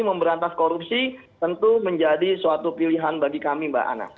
memberantas korupsi tentu menjadi suatu pilihan bagi kami mbak ana